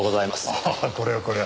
ああこれはこれは。